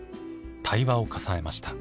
対話を重ねました。